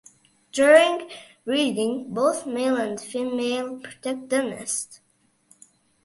During breeding, both male and female protect the nest.